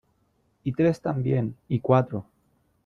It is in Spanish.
y tres también , y cuatro ...